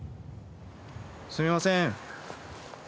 すみません。